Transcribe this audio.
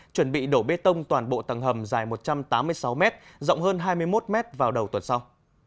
chuẩn bị đổ bê tông toàn bộ tầng hầm dài một trăm tám mươi sáu m rộng hơn hai mươi một m vào đầu tuần sau